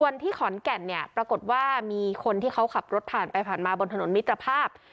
ส่วนที่ขอนแก่นเนี่ยปรากฏว่ามีคนที่เขาขับรถผ่านไปผ่านมาบนถนนมิตรภาพ